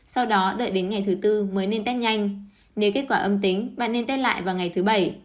sau đó đợi đến ngày thứ bốn mới nên tết nhanh nếu kết quả âm tính bạn nên tết lại vào ngày thứ bảy